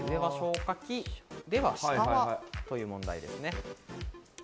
では下は？という問題ですね。